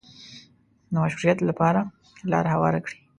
د مشروعیت لپاره لاره هواره کړي